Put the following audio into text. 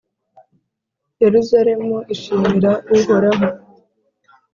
yeruzalemu ishimira uhoraho